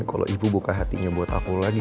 kalau ibu buka hatinya buat aku lagi